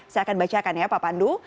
saya akan bacakan ya pak pandu